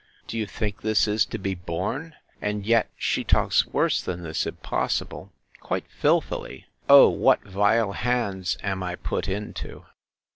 —Do you think this is to be borne? And yet she talks worse than this, if possible! quite filthily! O what vile hands am I put into!